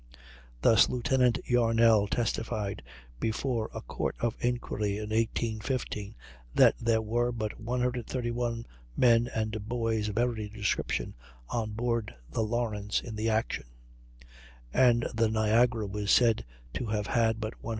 Thus Lieutenant Yarnall testified before a Court of Inquiry in 1815, that there were but 131 men and boys of every description on board the Lawrence in the action; and the Niagara was said to have had but 140.